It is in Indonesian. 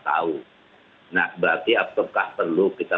tahu nah berarti apakah perlu kita